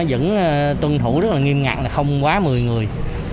vẫn tuân thủ rất là nghiêm ngặt là không quá một mươi người